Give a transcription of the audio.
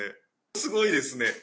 すごいですね。